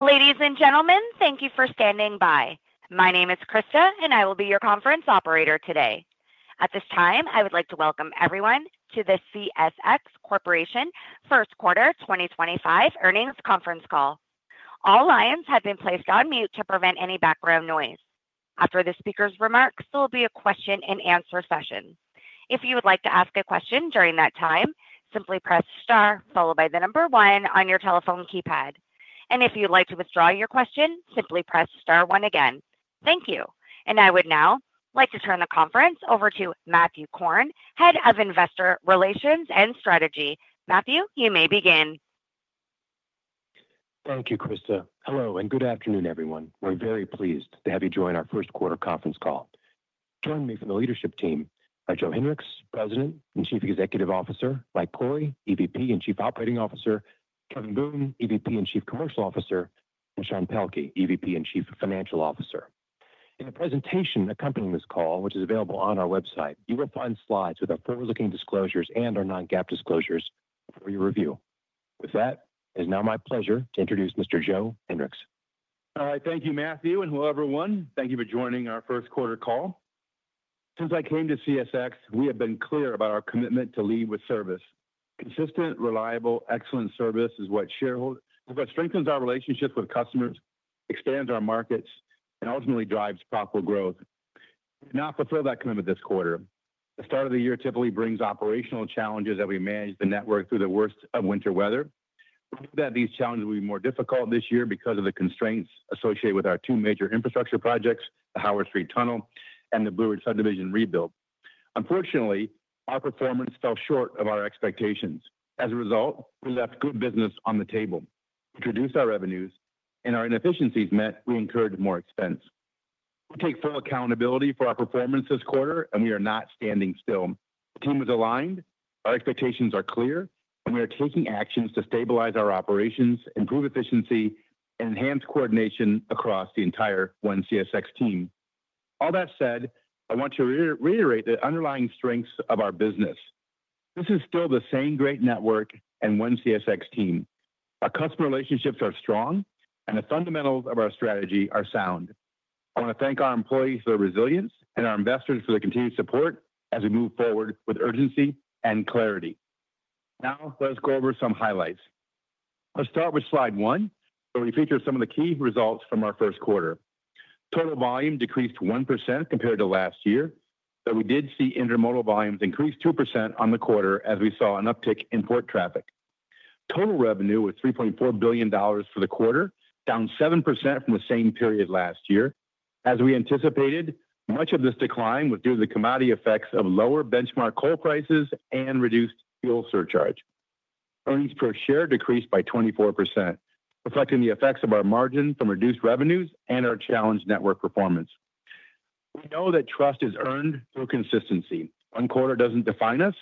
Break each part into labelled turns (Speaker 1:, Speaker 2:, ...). Speaker 1: Ladies and gentlemen, thank you for standing by. My name is Krista, and I will be your conference operator today. At this time, I would like to welcome everyone to the CSX Corporation First Quarter 2025 Earnings Conference Call. All lines have been placed on mute to prevent any background noise. After the speaker's remarks, there will be a question and answer session. If you would like to ask a question during that time, simply press star followed by the number one on your telephone keypad. If you'd like to withdraw your question, simply press star one again. Thank you. I would now like to turn the conference over to Matthew Korn, Head of Investor Relations and Strategy. Matthew, you may begin.
Speaker 2: Thank you, Krista. Hello, and good afternoon, everyone. We're very pleased to have you join our first quarter conference call. Joining me from the leadership team are Joe Hinrichs, President and Chief Executive Officer, Mike Cory, EVP and Chief Operating Officer, Kevin Boone, EVP and Chief Commercial Officer, and Sean Pelkey, EVP and Chief Financial Officer. In the presentation accompanying this call, which is available on our website, you will find slides with our forward-looking disclosures and our non-GAAP disclosures for your review. With that, it is now my pleasure to introduce Mr. Joe Hinrichs.
Speaker 3: All right. Thank you, Matthew, and hello, everyone. Thank you for joining our first quarter call. Since I came to CSX, we have been clear about our commitment to lead with service. Consistent, reliable, excellent service is what strengthens our relationships with customers, expands our markets, and ultimately drives profitable growth. We did not fulfill that commitment this quarter. The start of the year typically brings operational challenges as we manage the network through the worst of winter weather. We knew that these challenges would be more difficult this year because of the constraints associated with our two major infrastructure projects, the Howard Street Tunnel and the Blue Ridge Subdivision rebuild. Unfortunately, our performance fell short of our expectations. As a result, we left good business on the table, reduced our revenues, and our inefficiencies meant we incurred more expense. We take full accountability for our performance this quarter, and we are not standing still. The team is aligned, our expectations are clear, and we are taking actions to stabilize our operations, improve efficiency, and enhance coordination across the entire OneCSX team. All that said, I want to reiterate the underlying strengths of our business. This is still the same great network and OneCSX team. Our customer relationships are strong, and the fundamentals of our strategy are sound. I want to thank our employees for their resilience and our investors for their continued support as we move forward with urgency and clarity. Now, let's go over some highlights. Let's start with slide one, where we feature some of the key results from our first quarter. Total volume decreased 1% compared to last year, but we did see intermodal volumes increase 2% on the quarter as we saw an uptick in port traffic. Total revenue was $3.4 billion for the quarter, down 7% from the same period last year. As we anticipated, much of this decline was due to the commodity effects of lower benchmark coal prices and reduced fuel surcharge. Earnings per share decreased by 24%, reflecting the effects of our margin from reduced revenues and our challenged network performance. We know that trust is earned through consistency. One quarter doesn't define us.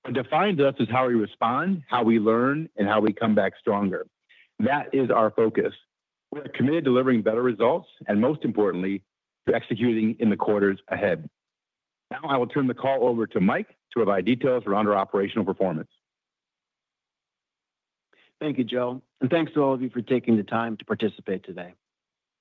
Speaker 3: What defines us is how we respond, how we learn, and how we come back stronger. That is our focus. We are committed to delivering better results and, most importantly, to executing in the quarters ahead. Now, I will turn the call over to Mike to provide details around our operational performance.
Speaker 4: Thank you, Joe, and thanks to all of you for taking the time to participate today.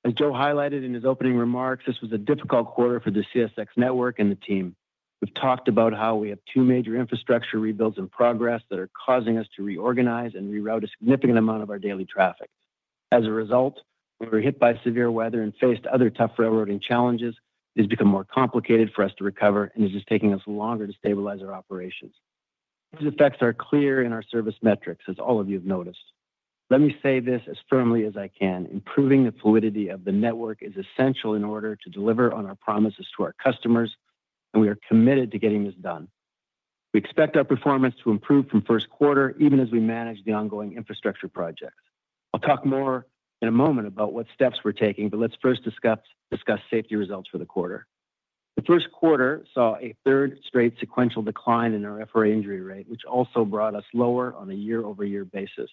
Speaker 4: As Joe highlighted in his opening remarks, this was a difficult quarter for the CSX network and the team. We've talked about how we have two major infrastructure rebuilds in progress that are causing us to reorganize and reroute a significant amount of our daily traffic. As a result, we were hit by severe weather and faced other tough railroading challenges. It has become more complicated for us to recover, and it is taking us longer to stabilize our operations. These effects are clear in our service metrics, as all of you have noticed. Let me say this as firmly as I can: improving the fluidity of the network is essential in order to deliver on our promises to our customers, and we are committed to getting this done. We expect our performance to improve from first quarter, even as we manage the ongoing infrastructure projects. I'll talk more in a moment about what steps we're taking, but let's first discuss safety results for the quarter. The first quarter saw a third straight sequential decline in our FRA injury rate, which also brought us lower on a year-over-year basis.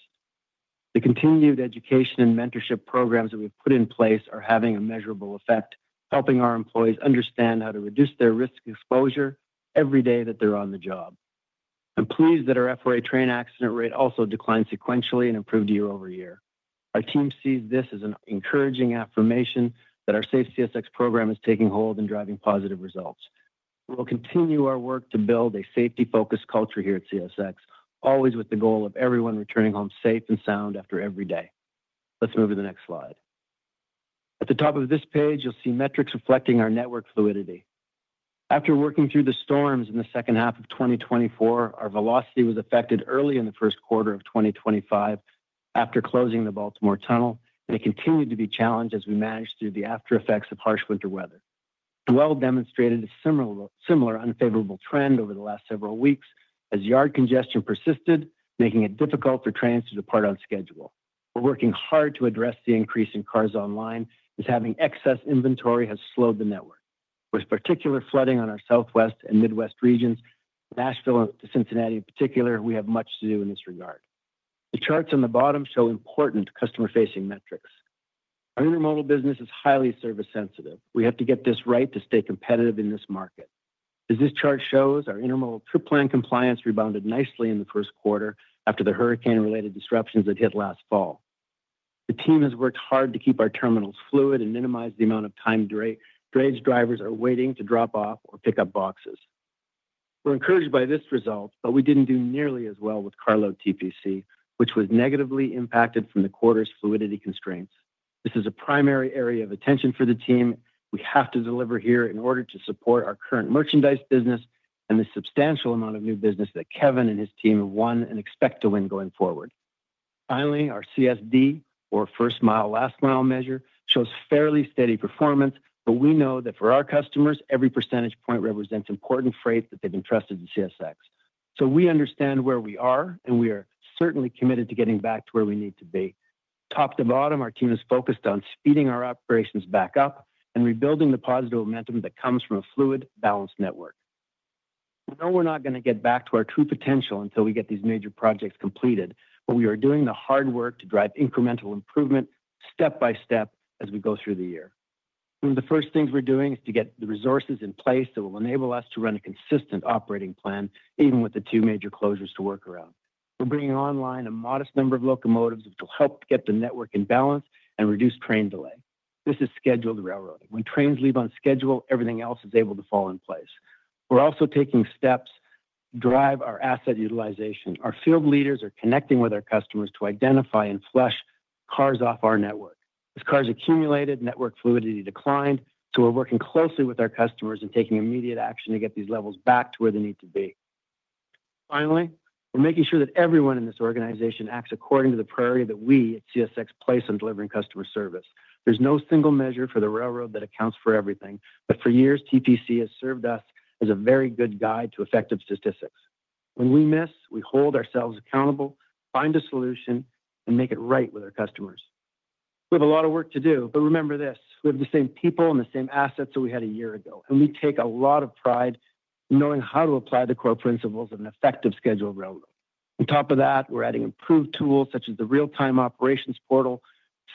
Speaker 4: The continued education and mentorship programs that we've put in place are having a measurable effect, helping our employees understand how to reduce their risk exposure every day that they're on the job. I'm pleased that our FRA train accident rate also declined sequentially and improved year-over-year. Our team sees this as an encouraging affirmation that our SafeCSX program is taking hold and driving positive results. We'll continue our work to build a safety-focused culture here at CSX, always with the goal of everyone returning home safe and sound after every day. Let's move to the next slide. At the top of this page, you'll see metrics reflecting our network fluidity. After working through the storms in the second half of 2024, our velocity was affected early in the first quarter of 2025 after closing the Baltimore Tunnel, and it continued to be challenged as we managed through the aftereffects of harsh winter weather. It well demonstrated a similar unfavorable trend over the last several weeks as yard congestion persisted, making it difficult for trains to depart on schedule. We're working hard to address the increase in cars online as having excess inventory has slowed the network. With particular flooding on our Southwest and Midwest regions, Nashville and Cincinnati in particular, we have much to do in this regard. The charts on the bottom show important customer-facing metrics. Our intermodal business is highly service-sensitive. We have to get this right to stay competitive in this market. As this chart shows, our intermodal trip plan compliance rebounded nicely in the first quarter after the hurricane-related disruptions that hit last fall. The team has worked hard to keep our terminals fluid and minimize the amount of time drayage drivers are waiting to drop off or pick up boxes. We're encouraged by this result, but we didn't do nearly as well with carload TPC, which was negatively impacted from the quarter's fluidity constraints. This is a primary area of attention for the team. We have to deliver here in order to support our current merchandise business and the substantial amount of new business that Kevin and his team have won and expect to win going forward. Finally, our CSD, or first mile, last mile measure, shows fairly steady performance, but we know that for our customers, every percentage point represents important freight that they've entrusted to CSX. We understand where we are, and we are certainly committed to getting back to where we need to be. Top to bottom, our team is focused on speeding our operations back up and rebuilding the positive momentum that comes from a fluid, balanced network. We know we're not going to get back to our true potential until we get these major projects completed, but we are doing the hard work to drive incremental improvement step by step as we go through the year. One of the first things we're doing is to get the resources in place that will enable us to run a consistent operating plan, even with the two major closures to work around. We're bringing online a modest number of locomotives, which will help get the network in balance and reduce train delay. This is scheduled railroading. When trains leave on schedule, everything else is able to fall in place. We're also taking steps to drive our asset utilization. Our field leaders are connecting with our customers to identify and flush cars off our network. As cars accumulated, network fluidity declined, so we're working closely with our customers and taking immediate action to get these levels back to where they need to be. Finally, we're making sure that everyone in this organization acts according to the priority that we at CSX place on delivering customer service. There's no single measure for the railroad that accounts for everything, but for years, TPC has served us as a very good guide to effective statistics. When we miss, we hold ourselves accountable, find a solution, and make it right with our customers. We have a lot of work to do, but remember this: we have the same people and the same assets that we had a year ago, and we take a lot of pride in knowing how to apply the core principles of an effective scheduled railroad. On top of that, we're adding improved tools such as the real-time operations portal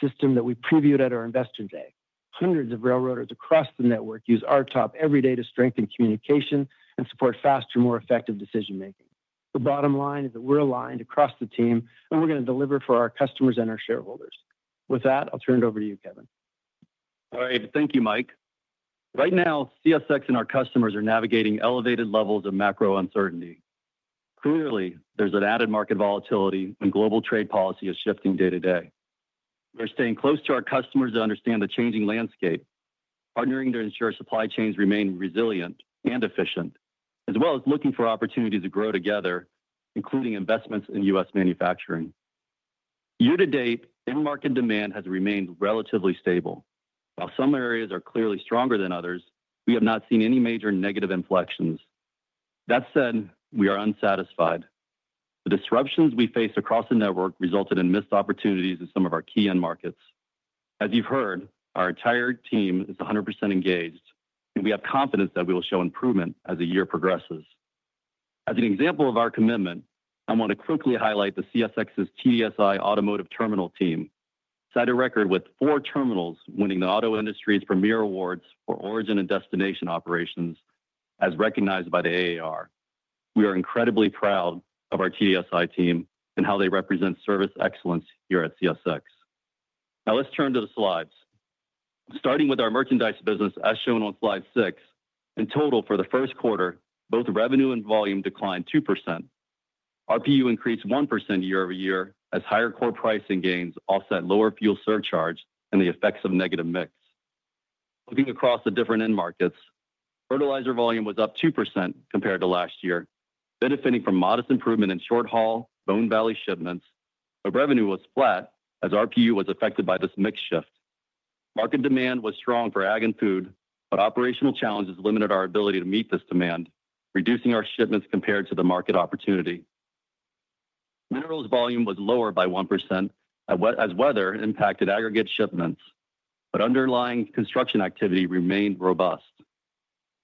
Speaker 4: system that we previewed at our investor day. Hundreds of railroaders across the network use our top every day to strengthen communication and support faster, more effective decision-making. The bottom line is that we're aligned across the team, and we're going to deliver for our customers and our shareholders. With that, I'll turn it over to you, Kevin.
Speaker 5: All right. Thank you, Mike. Right now, CSX and our customers are navigating elevated levels of macro uncertainty. Clearly, there's an added market volatility, and global trade policy is shifting day to day. We're staying close to our customers to understand the changing landscape, partnering to ensure supply chains remain resilient and efficient, as well as looking for opportunities to grow together, including investments in U.S. manufacturing. Year to date, in-market demand has remained relatively stable. While some areas are clearly stronger than others, we have not seen any major negative inflections. That said, we are unsatisfied. The disruptions we faced across the network resulted in missed opportunities in some of our key end markets. As you've heard, our entire team is 100% engaged, and we have confidence that we will show improvement as the year progresses. As an example of our commitment, I want to quickly highlight the CSX TDSI automotive terminal team. It has had a record with four terminals winning the auto industry's premier awards for origin and destination operations, as recognized by the AAR. We are incredibly proud of our TDSI team and how they represent service excellence here at CSX. Now, let's turn to the slides. Starting with our merchandise business, as shown on slide six, in total, for the first quarter, both revenue and volume declined 2%. RPU increased 1% year-over-year as higher core pricing gains offset lower fuel surcharge and the effects of negative mix. Looking across the different end markets, fertilizer volume was up 2% compared to last year, benefiting from modest improvement in short-haul Bone Valley shipments, but revenue was flat as RPU was affected by this mix shift. Market demand was strong for Ag and food, but operational challenges limited our ability to meet this demand, reducing our shipments compared to the market opportunity. Minerals volume was lower by 1% as weather impacted aggregate shipments, but underlying construction activity remained robust.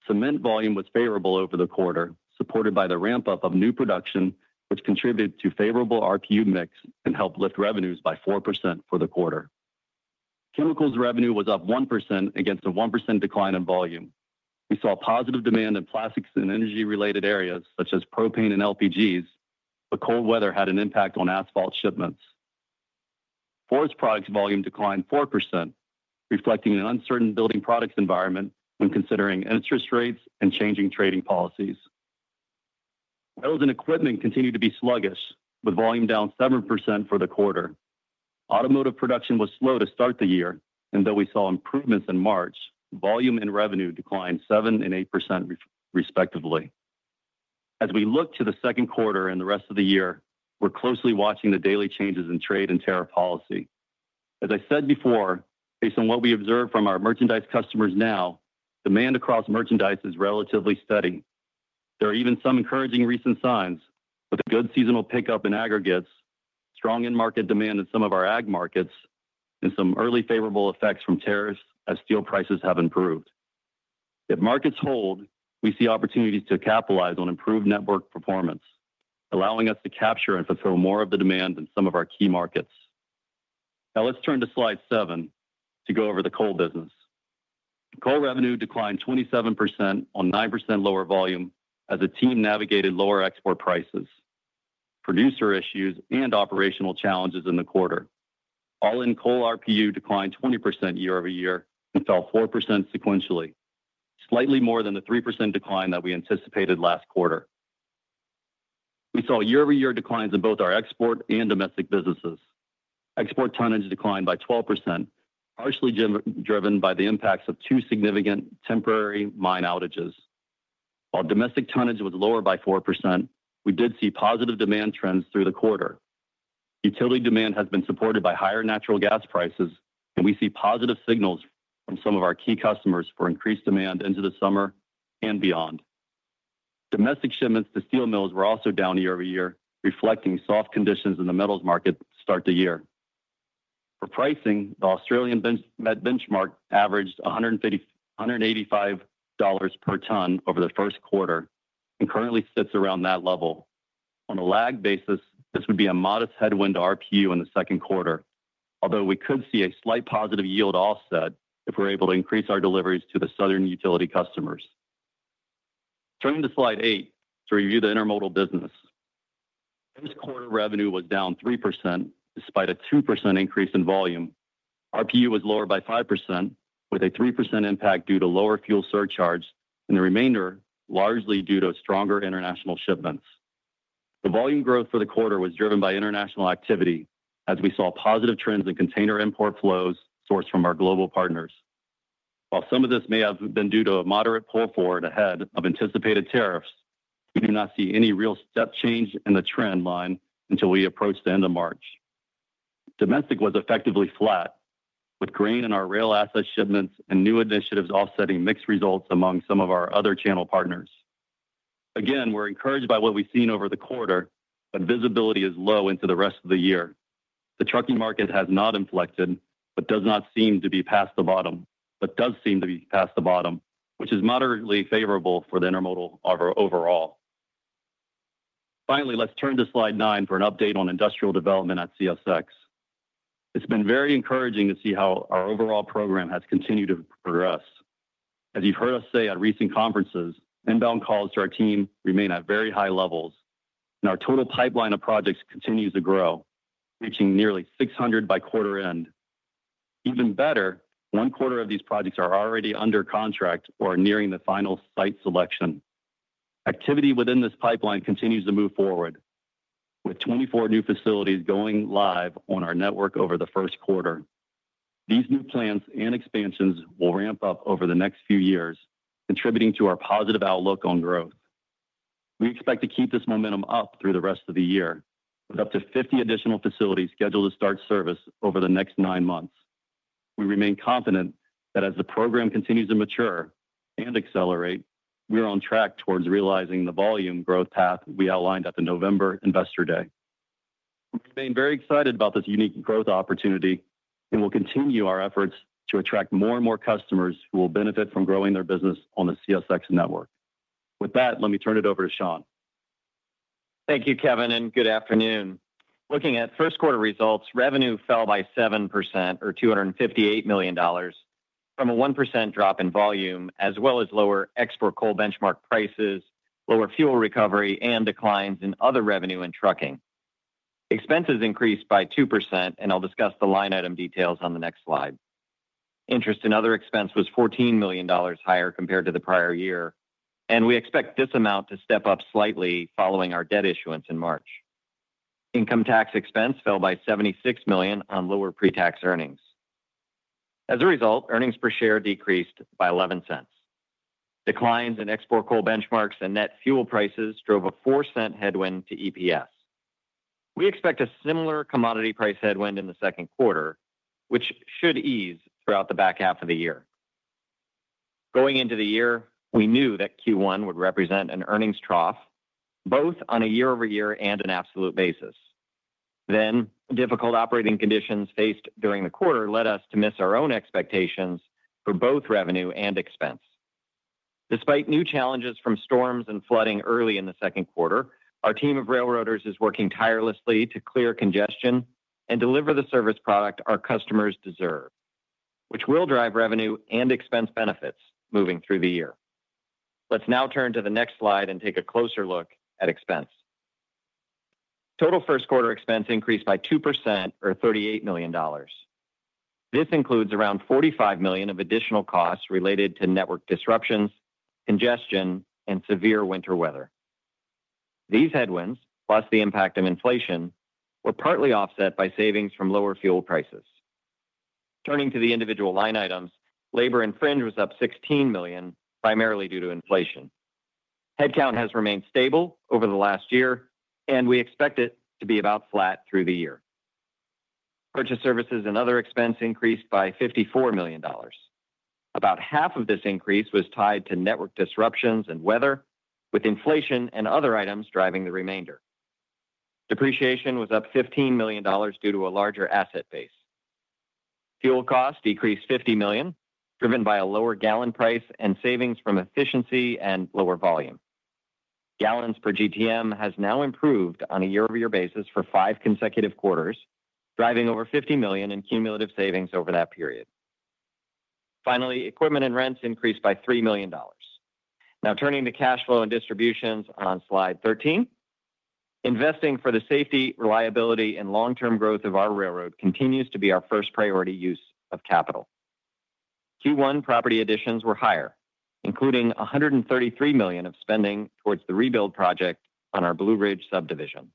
Speaker 5: Cement volume was favorable over the quarter, supported by the ramp-up of new production, which contributed to favorable RPU mix and helped lift revenues by 4% for the quarter. Chemicals revenue was up 1% against a 1% decline in volume. We saw positive demand in plastics and energy-related areas such as propane and LPGs, but cold weather had an impact on asphalt shipments. Forest products volume declined 4%, reflecting an uncertain building products environment when considering interest rates and changing trading policies. Metals and equipment continued to be sluggish, with volume down 7% for the quarter. Automotive production was slow to start the year, and though we saw improvements in March, volume and revenue declined 7% and 8% respectively. As we look to the second quarter and the rest of the year, we're closely watching the daily changes in trade and tariff policy. As I said before, based on what we observe from our merchandise customers now, demand across merchandise is relatively steady. There are even some encouraging recent signs, with a good seasonal pickup in aggregates, strong in-market demand in some of our ag markets, and some early favorable effects from tariffs as steel prices have improved. If markets hold, we see opportunities to capitalize on improved network performance, allowing us to capture and fulfill more of the demand in some of our key markets. Now, let's turn to slide seven to go over the coal business. Coal revenue declined 27% on 9% lower volume as the team navigated lower export prices, producer issues, and operational challenges in the quarter. All-in coal RPU declined 20% year-over-year and fell 4% sequentially, slightly more than the 3% decline that we anticipated last quarter. We saw year-over-year declines in both our export and domestic businesses. Export tonnage declined by 12%, partially driven by the impacts of two significant temporary mine outages. While domestic tonnage was lower by 4%, we did see positive demand trends through the quarter. Utility demand has been supported by higher natural gas prices, and we see positive signals from some of our key customers for increased demand into the summer and beyond. Domestic shipments to steel mills were also down year-over-year, reflecting soft conditions in the metals market to start the year. For pricing, the Australian benchmark averaged $185 per ton over the first quarter and currently sits around that level. On a lag basis, this would be a modest headwind to RPU in the second quarter, although we could see a slight positive yield offset if we're able to increase our deliveries to the southern utility customers. Turning to slide eight to review the intermodal business. This quarter revenue was down 3% despite a 2% increase in volume. RPU was lower by 5%, with a 3% impact due to lower fuel surcharge, and the remainder largely due to stronger international shipments. The volume growth for the quarter was driven by international activity, as we saw positive trends in container import flows sourced from our global partners. While some of this may have been due to a moderate pull forward ahead of anticipated tariffs, we do not see any real step change in the trend line until we approach the end of March. Domestic was effectively flat, with grain and our rail asset shipments and new initiatives offsetting mixed results among some of our other channel partners. Again, we're encouraged by what we've seen over the quarter, but visibility is low into the rest of the year. The trucking market has not inflected but does seem to be past the bottom, which is moderately favorable for the intermodal overall. Finally, let's turn to slide nine for an update on industrial development at CSX. It's been very encouraging to see how our overall program has continued to progress. As you've heard us say at recent conferences, inbound calls to our team remain at very high levels, and our total pipeline of projects continues to grow, reaching nearly 600 by quarter end. Even better, one quarter of these projects are already under contract or nearing the final site selection. Activity within this pipeline continues to move forward, with 24 new facilities going live on our network over the first quarter. These new plans and expansions will ramp up over the next few years, contributing to our positive outlook on growth. We expect to keep this momentum up through the rest of the year, with up to 50 additional facilities scheduled to start service over the next nine months. We remain confident that as the program continues to mature and accelerate, we are on track towards realizing the volume growth path we outlined at the November Investor Day. We remain very excited about this unique growth opportunity and will continue our efforts to attract more and more customers who will benefit from growing their business on the CSX network. With that, let me turn it over to Sean.
Speaker 6: Thank you, Kevin, and good afternoon. Looking at first quarter results, revenue fell by 7%, or $258 million, from a 1% drop in volume, as well as lower export coal benchmark prices, lower fuel recovery, and declines in other revenue and trucking. Expenses increased by 2%, and I'll discuss the line item details on the next slide. Interest and other expense was $14 million higher compared to the prior year, and we expect this amount to step up slightly following our debt issuance in March. Income tax expense fell by $76 million on lower pre-tax earnings. As a result, earnings per share decreased by 11 cents. Declines in export coal benchmarks and net fuel prices drove a 4-cent headwind to EPS. We expect a similar commodity price headwind in the second quarter, which should ease throughout the back half of the year. Going into the year, we knew that Q1 would represent an earnings trough, both on a year-over-year and an absolute basis. Difficult operating conditions faced during the quarter led us to miss our own expectations for both revenue and expense. Despite new challenges from storms and flooding early in the second quarter, our team of railroaders is working tirelessly to clear congestion and deliver the service product our customers deserve, which will drive revenue and expense benefits moving through the year. Let's now turn to the next slide and take a closer look at expense. Total first quarter expense increased by 2%, or $38 million. This includes around $45 million of additional costs related to network disruptions, congestion, and severe winter weather. These headwinds, plus the impact of inflation, were partly offset by savings from lower fuel prices. Turning to the individual line items, labor expense was up $16 million, primarily due to inflation. Headcount has remained stable over the last year, and we expect it to be about flat through the year. Purchase services and other expense increased by $54 million. About half of this increase was tied to network disruptions and weather, with inflation and other items driving the remainder. Depreciation was up $15 million due to a larger asset base. Fuel costs decreased $50 million, driven by a lower gallon price and savings from efficiency and lower volume. Gallons per GTM has now improved on a year-over-year basis for five consecutive quarters, driving over $50 million in cumulative savings over that period. Finally, equipment and rents increased by $3 million. Now, turning to cash flow and distributions on slide 13, investing for the safety, reliability, and long-term growth of our railroad continues to be our first priority use of capital. Q1 property additions were higher, including $133 million of spending towards the rebuild project on our Blue Ridge Subdivision.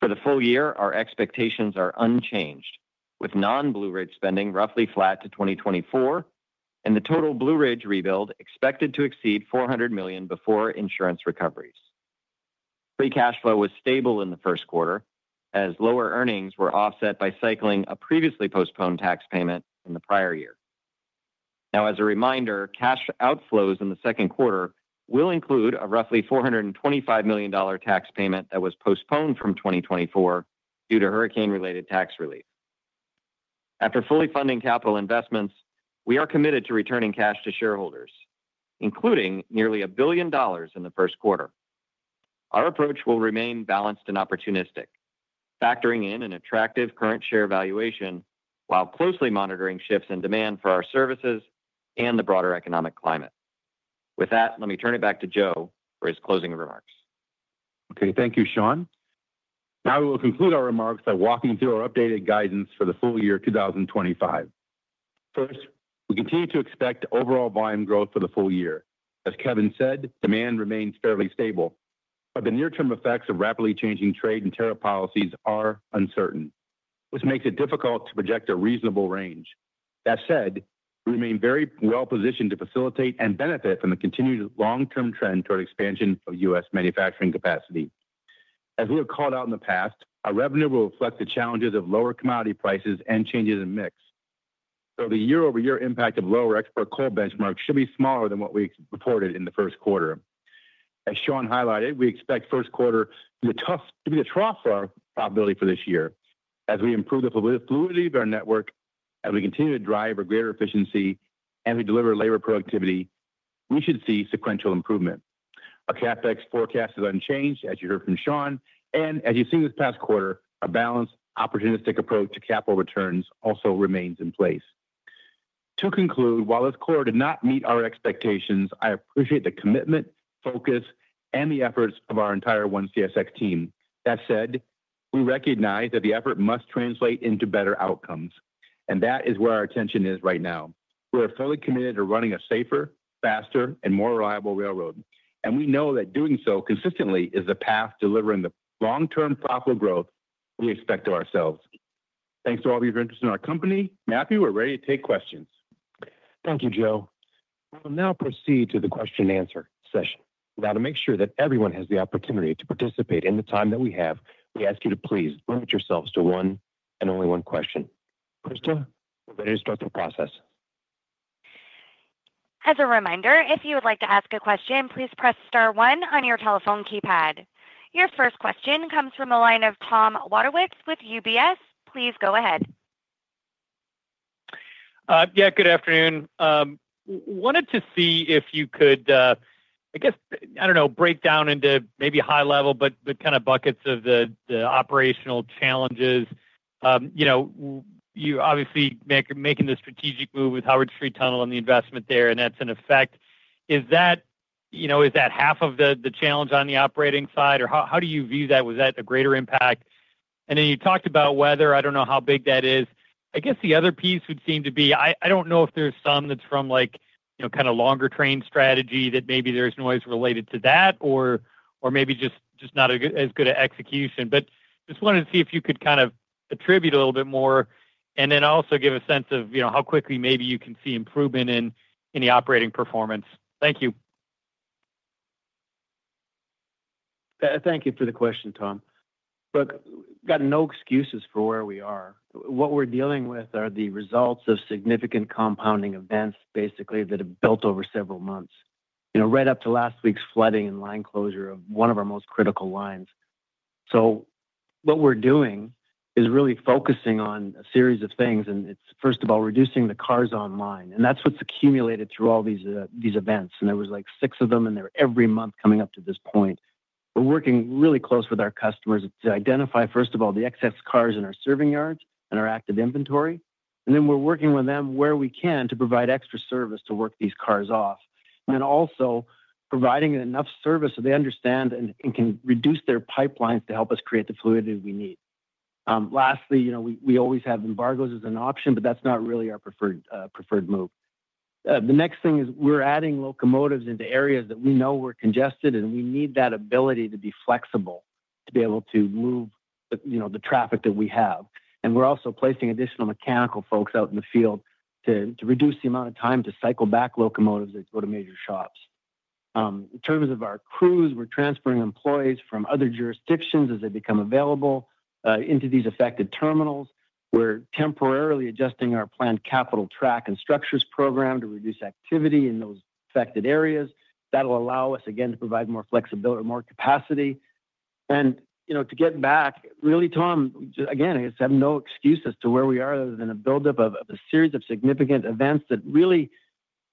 Speaker 6: For the full year, our expectations are unchanged, with non-Blue Ridge spending roughly flat to 2024, and the total Blue Ridge rebuild expected to exceed $400 million before insurance recoveries. Free cash flow was stable in the first quarter, as lower earnings were offset by cycling a previously postponed tax payment in the prior year. Now, as a reminder, cash outflows in the second quarter will include a roughly $425 million tax payment that was postponed from 2024 due to hurricane-related tax relief. After fully funding capital investments, we are committed to returning cash to shareholders, including nearly $1 billion in the first quarter. Our approach will remain balanced and opportunistic, factoring in an attractive current share valuation while closely monitoring shifts in demand for our services and the broader economic climate. With that, let me turn it back to Joe for his closing remarks.
Speaker 3: Okay, thank you, Sean. Now, we will conclude our remarks by walking through our updated guidance for the full year 2025. First, we continue to expect overall volume growth for the full year. As Kevin said, demand remains fairly stable, but the near-term effects of rapidly changing trade and tariff policies are uncertain, which makes it difficult to project a reasonable range. That said, we remain very well-positioned to facilitate and benefit from the continued long-term trend toward expansion of U.S. manufacturing capacity. As we have called out in the past, our revenue will reflect the challenges of lower commodity prices and changes in mix. The year-over-year impact of lower export coal benchmarks should be smaller than what we reported in the first quarter. As Sean highlighted, we expect first quarter to be a trough for our profitability for this year. As we improve the fluidity of our network, as we continue to drive our greater efficiency, and we deliver labor productivity, we should see sequential improvement. Our CapEx forecast is unchanged, as you heard from Sean, and as you've seen this past quarter, a balanced, opportunistic approach to capital returns also remains in place. To conclude, while this quarter did not meet our expectations, I appreciate the commitment, focus, and the efforts of our entire 1CSX team. That said, we recognize that the effort must translate into better outcomes, and that is where our attention is right now. We are fully committed to running a safer, faster, and more reliable railroad, and we know that doing so consistently is the path delivering the long-term profitable growth we expect of ourselves. Thanks to all of you for interest in our company. Matthew, we're ready to take questions.
Speaker 2: Thank you, Joe. We will now proceed to the question-and-answer session. Now, to make sure that everyone has the opportunity to participate in the time that we have, we ask you to please limit yourselves to one and only one question. Krista, we're ready to start the process.
Speaker 1: As a reminder, if you would like to ask a question, please press star one on your telephone keypad. Your first question comes from a line of Tom Wadewitz with UBS. Please go ahead.
Speaker 7: Yeah, good afternoon. Wanted to see if you could, I guess, break down into maybe high-level, but kind of buckets of the operational challenges. You know, you're obviously making the strategic move with Howard Street Tunnel and the investment there, and that's in effect. Is that, you know, is that half of the challenge on the operating side, or how do you view that? Was that a greater impact? You talked about weather. I don't know how big that is. I guess the other piece would seem to be, I don't know if there's some that's from, like, you know, kind of longer train strategy that maybe there's noise related to that, or maybe just not as good at execution. I just wanted to see if you could kind of attribute a little bit more and then also give a sense of, you know, how quickly maybe you can see improvement in the operating performance. Thank you.
Speaker 4: Thank you for the question, Tom. Look, we've got no excuses for where we are. What we're dealing with are the results of significant compounding events, basically, that have built over several months, you know, right up to last week's flooding and line closure of one of our most critical lines. What we're doing is really focusing on a series of things, and it's, first of all, reducing the cars online, and that's what's accumulated through all these events. There was, like, six of them, and they're every month coming up to this point. We're working really close with our customers to identify, first of all, the excess cars in our serving yards and our active inventory, and then we're working with them where we can to provide extra service to work these cars off, and also providing enough service so they understand and can reduce their pipelines to help us create the fluidity we need. Lastly, you know, we always have embargoes as an option, but that's not really our preferred move. The next thing is we're adding locomotives into areas that we know were congested, and we need that ability to be flexible to be able to move, you know, the traffic that we have. We're also placing additional mechanical folks out in the field to reduce the amount of time to cycle back locomotives that go to major shops. In terms of our crews, we're transferring employees from other jurisdictions as they become available into these affected terminals. We're temporarily adjusting our planned capital track and structures program to reduce activity in those affected areas. That'll allow us, again, to provide more flexibility, more capacity. You know, to get back, really, Tom, again, I guess I have no excuse as to where we are other than a buildup of a series of significant events that really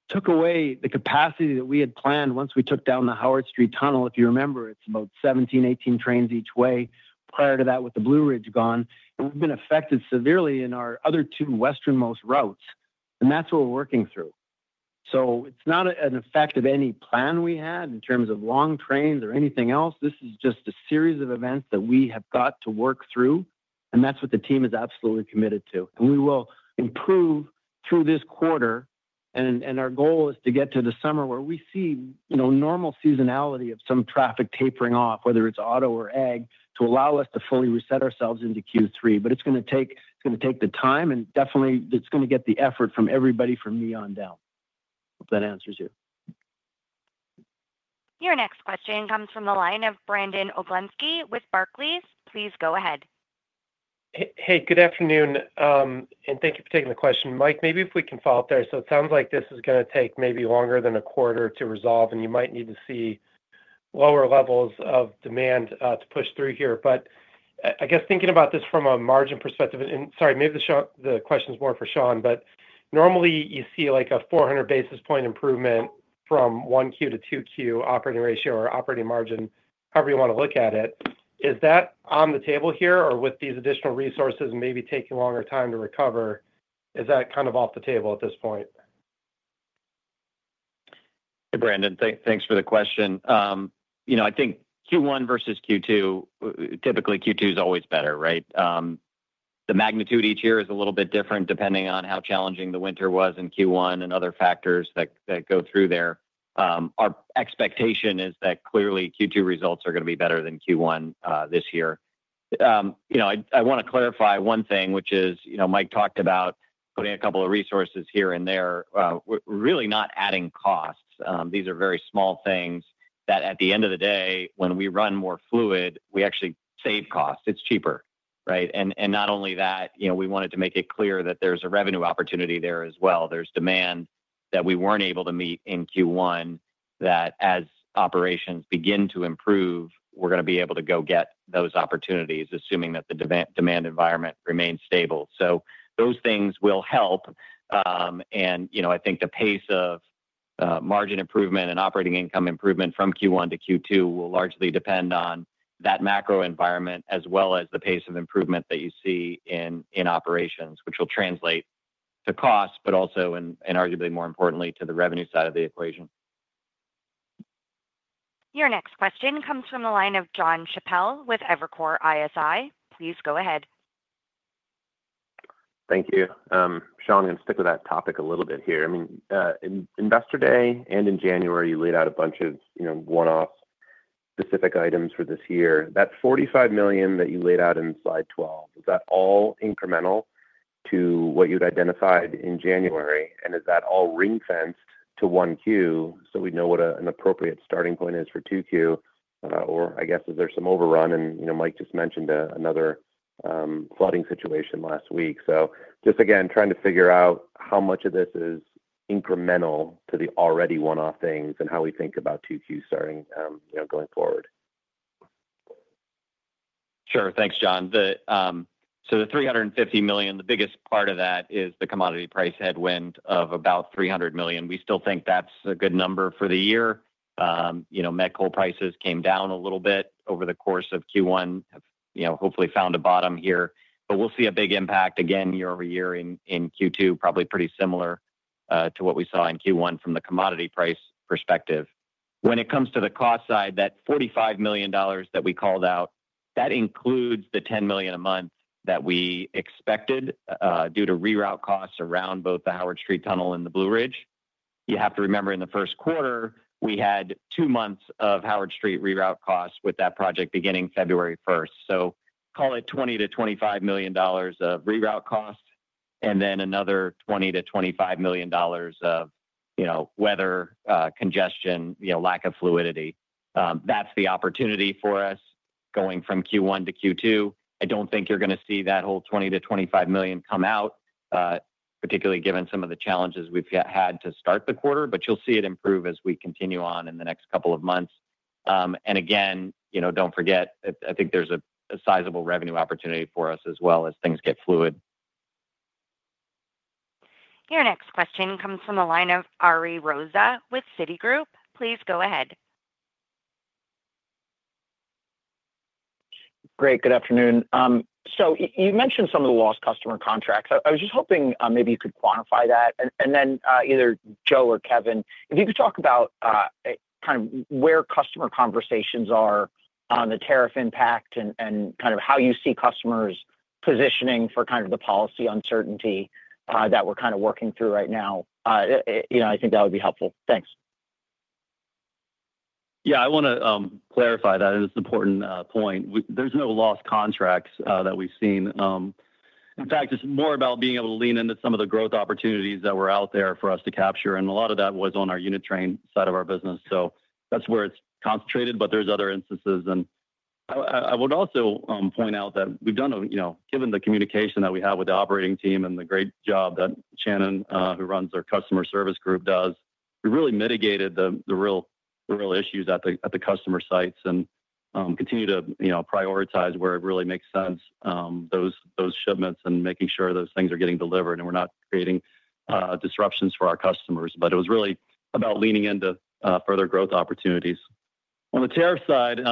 Speaker 4: took away the capacity that we had planned once we took down the Howard Street Tunnel. If you remember, it's about 17-18 trains each way prior to that with the Blue Ridge gone. We've been affected severely in our other two westernmost routes, and that's what we're working through. It's not an effect of any plan we had in terms of long trains or anything else. This is just a series of events that we have got to work through, and that is what the team is absolutely committed to. We will improve through this quarter, and our goal is to get to the summer where we see, you know, normal seasonality of some traffic tapering off, whether it is auto or ag, to allow us to fully reset ourselves into Q3. It is going to take the time, and definitely, it is going to get the effort from everybody from me on down. Hope that answers you.
Speaker 1: Your next question comes from the line of Brandon Oglenski with Barclays. Please go ahead.
Speaker 8: Hey, good afternoon, and thank you for taking the question. Mike, maybe if we can follow up there. It sounds like this is going to take maybe longer than a quarter to resolve, and you might need to see lower levels of demand to push through here. I guess thinking about this from a margin perspective, and sorry, maybe the question's more for Sean, but normally you see like a 400 basis point improvement from 1Q to 2Q operating ratio or operating margin, however you want to look at it. Is that on the table here, or with these additional resources and maybe taking longer time to recover, is that kind of off the table at this point?
Speaker 5: Hey, Brandon, thanks for the question. You know, I think Q1 versus Q2, typically Q2 is always better, right? The magnitude each year is a little bit different depending on how challenging the winter was in Q1 and other factors that go through there. Our expectation is that clearly Q2 results are going to be better than Q1 this year. You know, I want to clarify one thing, which is, you know, Mike talked about putting a couple of resources here and there, really not adding costs. These are very small things that at the end of the day, when we run more fluid, we actually save costs. It's cheaper, right? And not only that, you know, we wanted to make it clear that there's a revenue opportunity there as well. There's demand that we weren't able to meet in Q1 that as operations begin to improve, we're going to be able to go get those opportunities, assuming that the demand environment remains stable. Those things will help, and, you know, I think the pace of margin improvement and operating income improvement from Q1 to Q2 will largely depend on that macro environment as well as the pace of improvement that you see in operations, which will translate to costs, but also, and arguably more importantly, to the revenue side of the equation.
Speaker 1: Your next question comes from the line of John Chappell with Evercore ISI. Please go ahead.
Speaker 9: Thank you. Sean, I'm going to stick with that topic a little bit here. I mean, in Investor Day and in January, you laid out a bunch of, you know, one-off specific items for this year. That $45 million that you laid out in slide 12, is that all incremental to what you had identified in January, and is that all ring-fenced to 1Q so we know what an appropriate starting point is for 2Q, or I guess is there some overrun? You know, Mike just mentioned another flooding situation last week. Just again, trying to figure out how much of this is incremental to the already one-off things and how we think about 2Q starting, you know, going forward.
Speaker 6: Sure. Thanks, John. The $350 million, the biggest part of that is the commodity price headwind of about $300 million. We still think that's a good number for the year. You know, met coal prices came down a little bit over the course of Q1, have, you know, hopefully found a bottom here, but we'll see a big impact again year over year in Q2, probably pretty similar to what we saw in Q1 from the commodity price perspective. When it comes to the cost side, that $45 million that we called out, that includes the $10 million a month that we expected due to reroute costs around both the Howard Street Tunnel and the Blue Ridge. You have to remember in the first quarter, we had two months of Howard Street reroute costs with that project beginning February 1st. Call it $20-$25 million of reroute costs and then another $20-$25 million of, you know, weather, congestion, you know, lack of fluidity. That's the opportunity for us going from Q1 to Q2. I don't think you're going to see that whole $20-$25 million come out, particularly given some of the challenges we've had to start the quarter, but you'll see it improve as we continue on in the next couple of months. Again, you know, don't forget, I think there's a sizable revenue opportunity for us as well as things get fluid.
Speaker 1: Your next question comes from the line of Ari Rosa with Citigroup. Please go ahead.
Speaker 10: Great. Good afternoon. You mentioned some of the lost customer contracts. I was just hoping maybe you could quantify that. If either Joe or Kevin, if you could talk about kind of where customer conversations are on the tariff impact and kind of how you see customers positioning for kind of the policy uncertainty that we're kind of working through right now. You know, I think that would be helpful. Thanks.
Speaker 5: Yeah, I want to clarify that. It's an important point. There's no lost contracts that we've seen. In fact, it's more about being able to lean into some of the growth opportunities that were out there for us to capture, and a lot of that was on our unit train side of our business. That's where it's concentrated, but there's other instances. I would also point out that we've done, you know, given the communication that we have with the operating team and the great job that Shannon, who runs our customer service group, does, we've really mitigated the real issues at the customer sites and continue to, you know, prioritize where it really makes sense, those shipments and making sure those things are getting delivered and we're not creating disruptions for our customers. It was really about leaning into further growth opportunities. On the tariff side, you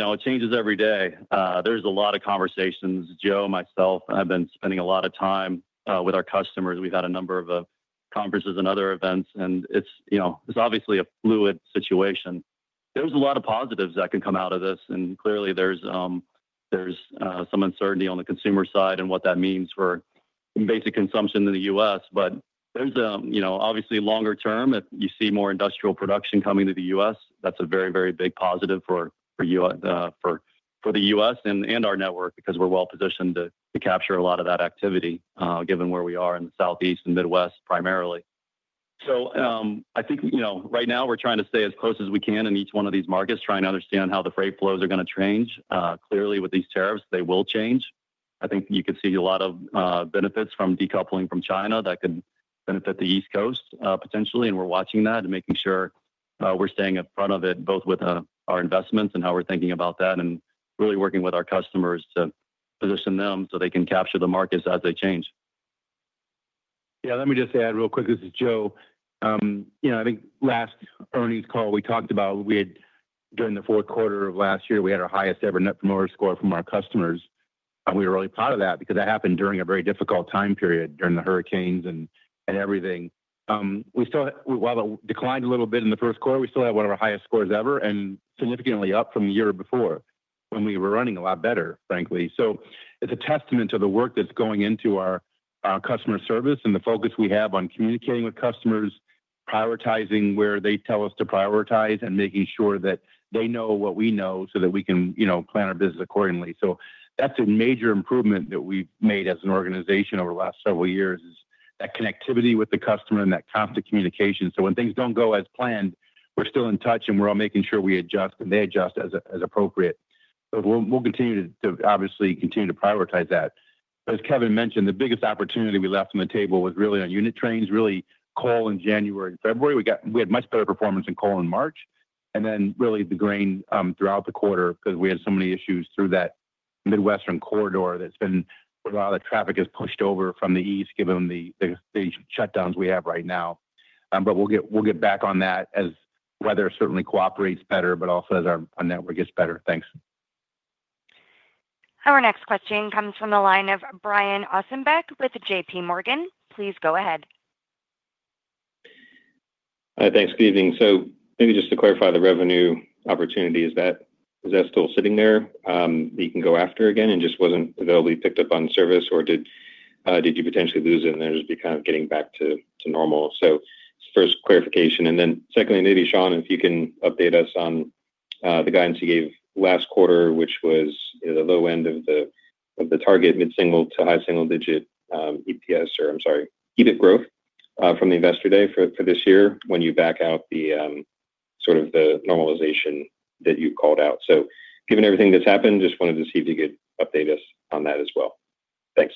Speaker 5: know, it changes every day. There's a lot of conversations. Joe, myself, I've been spending a lot of time with our customers. We've had a number of conferences and other events, and it's, you know, it's obviously a fluid situation. There's a lot of positives that can come out of this, and clearly there's some uncertainty on the consumer side and what that means for basic consumption in the U.S. There's, you know, obviously longer term, if you see more industrial production coming to the U.S., that's a very, very big positive for the U.S. and our network because we're well positioned to capture a lot of that activity given where we are in the Southeast and Midwest primarily. I think, you know, right now we're trying to stay as close as we can in each one of these markets, trying to understand how the freight flows are going to change. Clearly, with these tariffs, they will change. I think you could see a lot of benefits from decoupling from China that could benefit the East Coast potentially, and we're watching that and making sure we're staying in front of it both with our investments and how we're thinking about that and really working with our customers to position them so they can capture the markets as they change.
Speaker 3: Yeah. Let me just add real quick, this is Joe. You know, I think last earnings call we talked about, we had, during the fourth quarter of last year, we had our highest ever Net Promoter Score from our customers, and we were really proud of that because that happened during a very difficult time period during the hurricanes and everything. We still, while it declined a little bit in the first quarter, we still had one of our highest scores ever and significantly up from the year before when we were running a lot better, frankly. It is a testament to the work that is going into our customer service and the focus we have on communicating with customers, prioritizing where they tell us to prioritize and making sure that they know what we know so that we can, you know, plan our business accordingly. That's a major improvement that we've made as an organization over the last several years, that connectivity with the customer and that constant communication. When things don't go as planned, we're still in touch and we're all making sure we adjust and they adjust as appropriate. We'll continue to obviously continue to prioritize that. As Kevin mentioned, the biggest opportunity we left on the table was really on unit trains, really coal in January and February. We had much better performance in coal in March, and then really the grain throughout the quarter because we had so many issues through that Midwestern corridor. That's been where a lot of the traffic has pushed over from the east given the shutdowns we have right now. We'll get back on that as weather certainly cooperates better, but also as our network gets better. Thanks.
Speaker 1: Our next question comes from the line of Brian Ossenbeck with JP Morgan. Please go ahead.
Speaker 11: Hi, thanks. Good evening. Maybe just to clarify the revenue opportunity, is that still sitting there that you can go after again and just was not available, you picked up on service or did you potentially lose it and then just be kind of getting back to normal? First clarification. Secondly, maybe Sean, if you can update us on the guidance you gave last quarter, which was the low end of the target, mid-single to high single digit EPS or, I'm sorry, EBIT growth from the Investor Day for this year when you back out the sort of the normalization that you called out. Given everything that has happened, just wanted to see if you could update us on that as well. Thanks.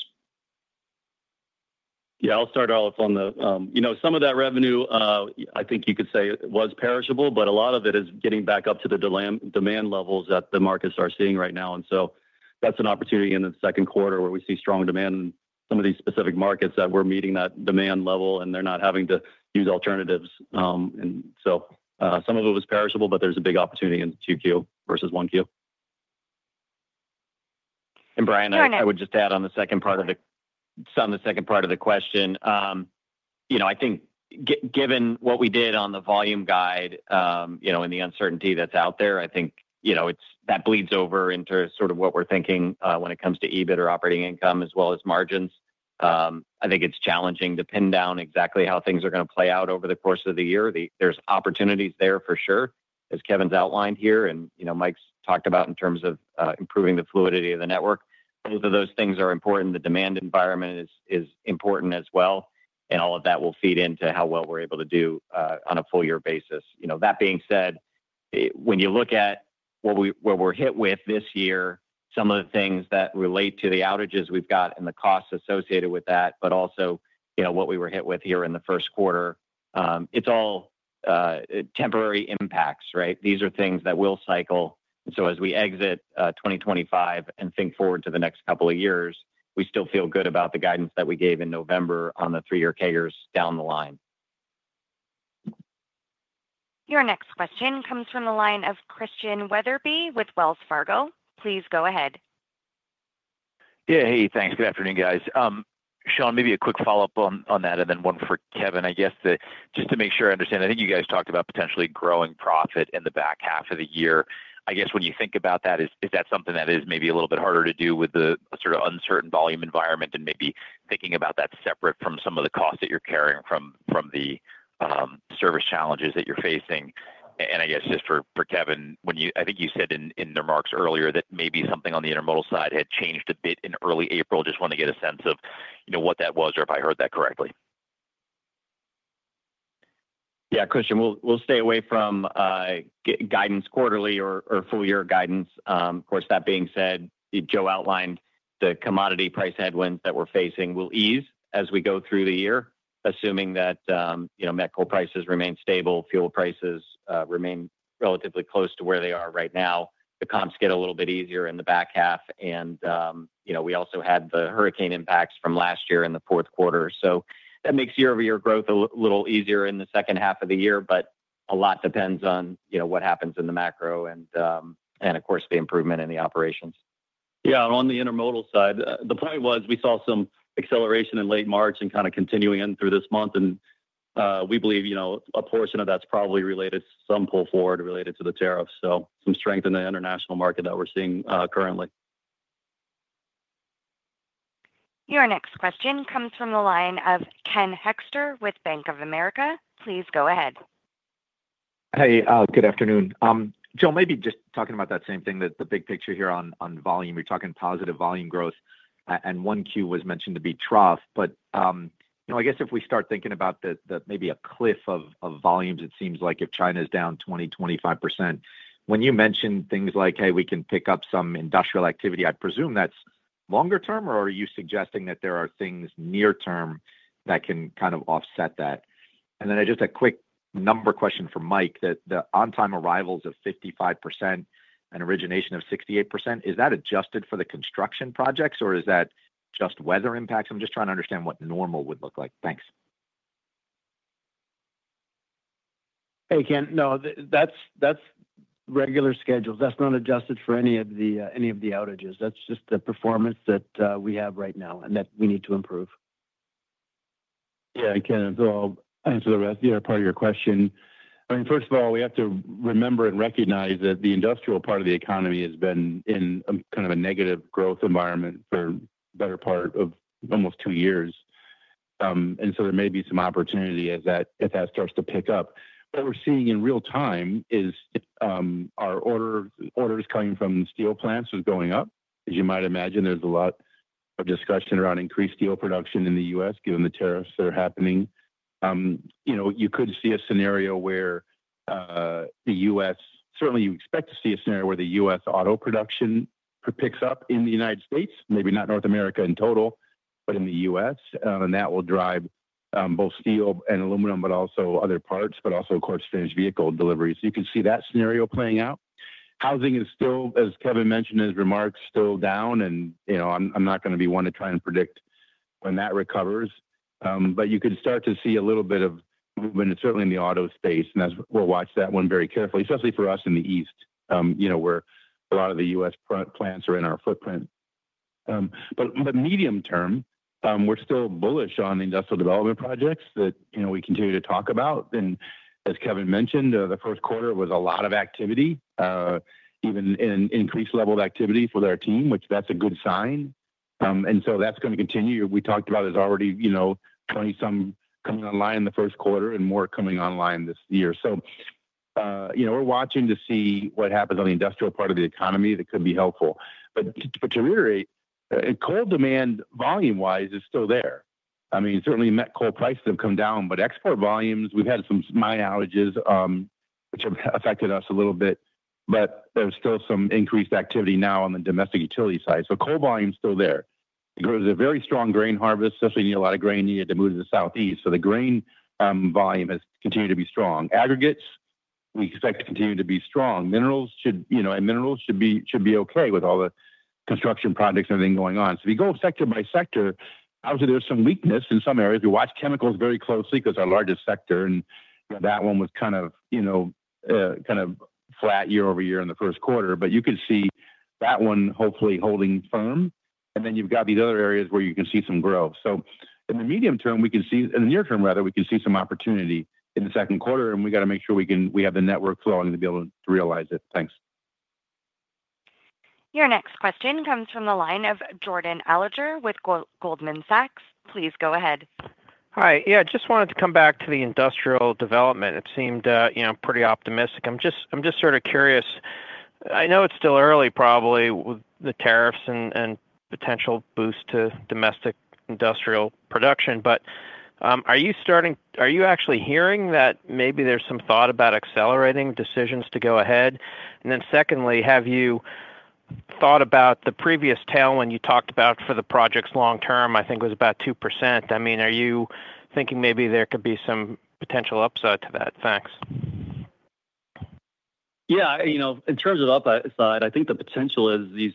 Speaker 5: Yeah, I'll start off on the, you know, some of that revenue, I think you could say it was perishable, but a lot of it is getting back up to the demand levels that the markets are seeing right now. That's an opportunity in the second quarter where we see strong demand in some of these specific markets that we're meeting that demand level and they're not having to use alternatives. Some of it was perishable, but there's a big opportunity in Q2 versus 1Q.
Speaker 6: Brian, I would just add on the second part of the, on the second part of the question. You know, I think given what we did on the volume guide, you know, and the uncertainty that's out there, I think, you know, that bleeds over into sort of what we're thinking when it comes to EBIT or operating income as well as margins. I think it's challenging to pin down exactly how things are going to play out over the course of the year. There's opportunities there for sure, as Kevin's outlined here, and, you know, Mike's talked about in terms of improving the fluidity of the network. Both of those things are important. The demand environment is important as well, and all of that will feed into how well we're able to do on a full year basis. You know, that being said, when you look at what we're hit with this year, some of the things that relate to the outages we've got and the costs associated with that, but also, you know, what we were hit with here in the first quarter, it's all temporary impacts, right? These are things that will cycle. As we exit 2025 and think forward to the next couple of years, we still feel good about the guidance that we gave in November on the three-year CAGRs down the line.
Speaker 1: Your next question comes from the line of Christian Wetherbee with Wells Fargo. Please go ahead.
Speaker 12: Yeah, hey, thanks. Good afternoon, guys. Sean, maybe a quick follow-up on that and then one for Kevin, I guess, just to make sure I understand. I think you guys talked about potentially growing profit in the back half of the year. I guess when you think about that, is that something that is maybe a little bit harder to do with the sort of uncertain volume environment and maybe thinking about that separate from some of the costs that you're carrying from the service challenges that you're facing? I guess just for Kevin, when you, I think you said in remarks earlier that maybe something on the intermodal side had changed a bit in early April. Just want to get a sense of, you know, what that was or if I heard that correctly.
Speaker 6: Yeah, Christian, we'll stay away from guidance quarterly or full year guidance. Of course, that being said, Joe outlined the commodity price headwinds that we're facing will ease as we go through the year, assuming that, you know, met coal prices remain stable, fuel prices remain relatively close to where they are right now. The comps get a little bit easier in the back half, and, you know, we also had the hurricane impacts from last year in the fourth quarter. That makes year-over-year growth a little easier in the second half of the year, but a lot depends on, you know, what happens in the macro and, of course, the improvement in the operations.
Speaker 5: Yeah, on the intermodal side, the point was we saw some acceleration in late March and kind of continuing in through this month, and we believe, you know, a portion of that's probably related to some pull forward related to the tariffs. Some strength in the international market that we're seeing currently.
Speaker 1: Your next question comes from the line of Ken Hoexter with Bank of America. Please go ahead.
Speaker 13: Hey, good afternoon. Joe, maybe just talking about that same thing, the big picture here on volume, you're talking positive volume growth, and 1Q was mentioned to be trough. You know, I guess if we start thinking about maybe a cliff of volumes, it seems like if China is down 20-25%, when you mentioned things like, hey, we can pick up some industrial activity, I presume that's longer term, or are you suggesting that there are things near term that can kind of offset that? Then just a quick number question for Mike, that the on-time arrivals of 55% and origination of 68%, is that adjusted for the construction projects or is that just weather impacts? I'm just trying to understand what normal would look like. Thanks.
Speaker 3: Hey, Ken, no, that's regular schedules. That's not adjusted for any of the outages. That's just the performance that we have right now and that we need to improve. Yeah, I can't answer the rest. Yeah, part of your question. I mean, first of all, we have to remember and recognize that the industrial part of the economy has been in kind of a negative growth environment for the better part of almost two years. And so, there may be some opportunity as that starts to pick up. What we're seeing in real time is our orders coming from steel plants are going up. As you might imagine, there's a lot of discussion around increased steel production in the U.S. given the tariffs that are happening. You know, you could see a scenario where the U.S., certainly you expect to see a scenario where the U.S. Auto production picks up in the U.S., maybe not North America in total, but in the U.S., and that will drive both steel and aluminum, but also other parts, but also, of course, finished vehicle deliveries. You can see that scenario playing out. Housing is still, as Kevin mentioned in his remarks, still down, and, you know, I'm not going to be one to try and predict when that recovers. You could start to see a little bit of movement, certainly in the auto space, and we'll watch that one very carefully, especially for us in the East, you know, where a lot of the U.S. plants are in our footprint. Medium term, we're still bullish on industrial development projects that, you know, we continue to talk about. As Kevin mentioned, the first quarter was a lot of activity, even an increased level of activity for their team, which that's a good sign. That is going to continue. We talked about there's already, you know, 20 some coming online in the first quarter and more coming online this year. You know, we're watching to see what happens on the industrial part of the economy that could be helpful. To reiterate, coal demand volume-wise is still there. I mean, certainly met coal prices have come down, but export volumes, we've had some minor outages which have affected us a little bit, but there's still some increased activity now on the domestic utility side. Coal volume is still there. There was a very strong grain harvest, especially a lot of grain needed to move to the Southeast. The grain volume has continued to be strong. Aggregates, we expect to continue to be strong. Minerals should, you know, and minerals should be okay with all the construction projects and everything going on. If you go sector by sector, obviously there's some weakness in some areas. We watch chemicals very closely because our largest sector, and that one was kind of, you know, kind of flat year over year in the first quarter. You could see that one hopefully holding firm, and then you've got these other areas where you can see some growth. In the medium term, we can see, in the near term, rather, we can see some opportunity in the second quarter, and we've got to make sure we have the network flowing to be able to realize it. Thanks.
Speaker 1: Your next question comes from the line of Jordan Alliger with Goldman Sachs. Please go ahead.
Speaker 14: Hi. Yeah, I just wanted to come back to the industrial development. It seemed, you know, pretty optimistic. I'm just sort of curious. I know it's still early, probably, with the tariffs and potential boost to domestic industrial production, but are you starting, are you actually hearing that maybe there's some thought about accelerating decisions to go ahead? Secondly, have you thought about the previous tailwind you talked about for the projects long term, I think was about 2%? I mean, are you thinking maybe there could be some potential upside to that? Thanks.
Speaker 5: Yeah, you know, in terms of upside, I think the potential is these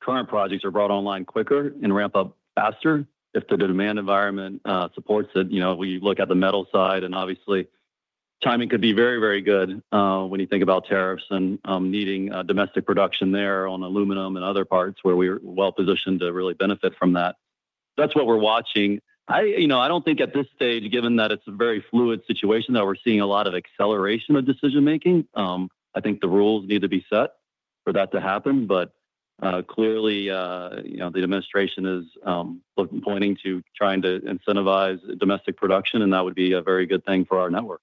Speaker 5: current projects are brought online quicker and ramp up faster if the demand environment supports it. You know, we look at the metal side, and obviously timing could be very, very good when you think about tariffs and needing domestic production there on aluminum and other parts where we're well positioned to really benefit from that. That's what we're watching. I, you know, I don't think at this stage, given that it's a very fluid situation that we're seeing a lot of acceleration of decision-making, I think the rules need to be set for that to happen. Clearly, you know, the administration is pointing to trying to incentivize domestic production, and that would be a very good thing for our network.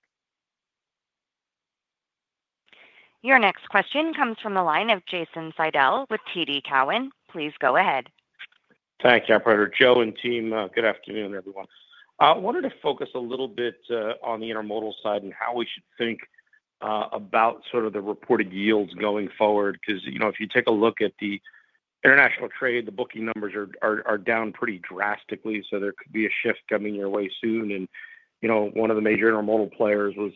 Speaker 1: Your next question comes from the line of Jason Seidl with TD Cowen. Please go ahead.
Speaker 15: Thanks, Operator. Joe and team, good afternoon, everyone. I wanted to focus a little bit on the intermodal side and how we should think about sort of the reported yields going forward because, you know, if you take a look at the international trade, the booking numbers are down pretty drastically. There could be a shift coming your way soon. You know, one of the major intermodal players was,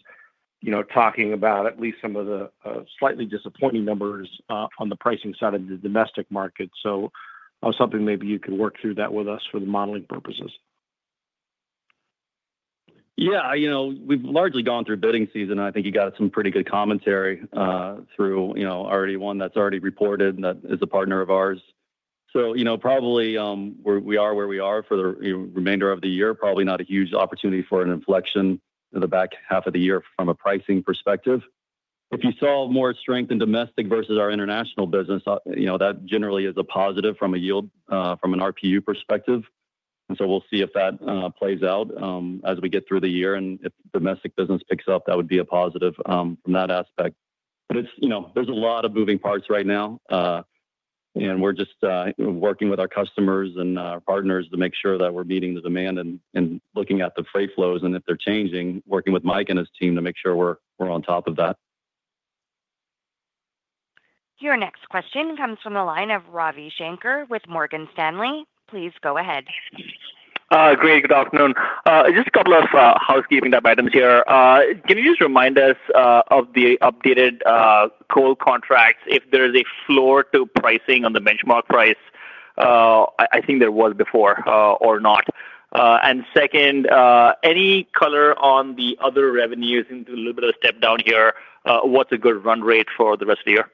Speaker 15: you know, talking about at least some of the slightly disappointing numbers on the pricing side of the domestic market. I was hoping maybe you could work through that with us for the modeling purposes.
Speaker 5: Yeah, you know, we've largely gone through bidding season, and I think you got some pretty good commentary through, you know, already one that's already reported that is a partner of ours. You know, probably we are where we are for the remainder of the year, probably not a huge opportunity for an inflection in the back half of the year from a pricing perspective. If you saw more strength in domestic versus our international business, you know, that generally is a positive from a yield, from an RPU perspective. We'll see if that plays out as we get through the year, and if domestic business picks up, that would be a positive from that aspect. There is a lot of moving parts right now, and we're just working with our customers and our partners to make sure that we're meeting the demand and looking at the freight flows and if they're changing, working with Mike and his team to make sure we're on top of that.
Speaker 1: Your next question comes from the line of Ravi Shanker with Morgan Stanley. Please go ahead.
Speaker 16: Great. Good afternoon. Just a couple of housekeeping items here. Can you just remind us of the updated coal contracts if there is a floor to pricing on the benchmark price? I think there was before or not. Second, any color on the other revenues into a little bit of step down here? What's a good run rate for the rest of the year?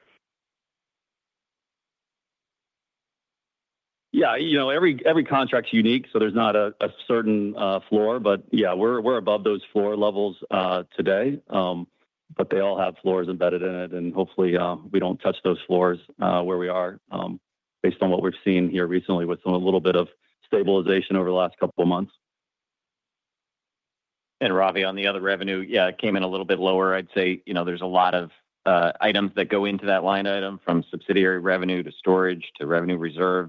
Speaker 5: Yeah, you know, every contract's unique, so there's not a certain floor, but yeah, we're above those floor levels today, but they all have floors embedded in it, and hopefully we don't touch those floors where we are based on what we've seen here recently with a little bit of stabilization over the last couple of months.
Speaker 6: Ravi, on the other revenue, yeah, it came in a little bit lower. I'd say, you know, there's a lot of items that go into that line item from subsidiary revenue to storage to revenue reserve.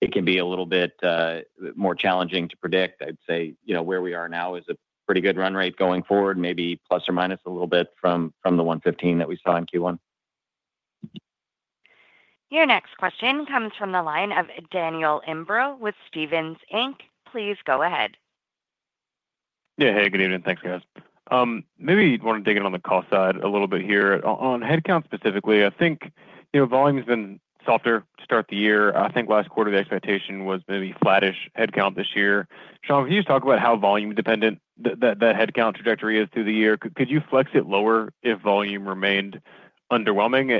Speaker 6: It can be a little bit more challenging to predict. I'd say, you know, where we are now is a pretty good run rate going forward, maybe plus or minus a little bit from the $115 that we saw in Q1.
Speaker 1: Your next question comes from the line of Daniel Imbro with Stephens. Please go ahead.
Speaker 17: Yeah, hey, good evening. Thanks, guys. Maybe you'd want to dig in on the cost side a little bit here. On headcount specifically, I think, you know, volume has been softer to start the year. I think last quarter the expectation was maybe flattish headcount this year. Sean, could you just talk about how volume-dependent that headcount trajectory is through the year? Could you flex it lower if volume remained underwhelming?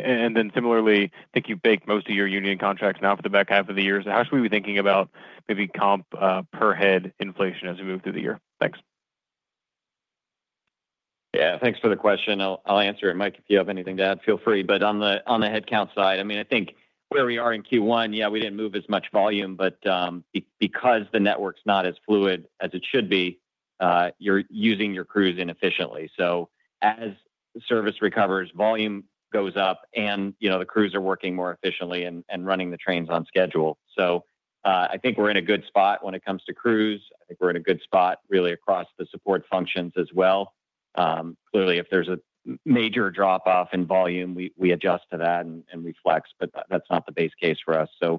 Speaker 17: Similarly, I think you've baked most of your union contracts now for the back half of the year. How should we be thinking about maybe comp per head inflation as we move through the year? Thanks.
Speaker 6: Yeah, thanks for the question. I'll answer it. Mike, if you have anything to add, feel free. On the headcount side, I mean, I think where we are in Q1, we didn't move as much volume, but because the network's not as fluid as it should be, you're using your crews inefficiently. As service recovers, volume goes up, and, you know, the crews are working more efficiently and running the trains on schedule. I think we're in a good spot when it comes to crews. I think we're in a good spot really across the support functions as well. Clearly, if there's a major drop-off in volume, we adjust to that and we flex, but that's not the base case for us. You